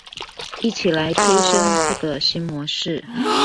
一起來催生這個新模式